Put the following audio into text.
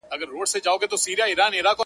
زما مور، دنيا هېره ده.